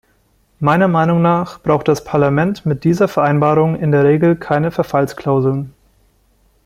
Meiner Meinung nach braucht das Parlament mit dieser Vereinbarung in der Regel keine Verfallsklauseln.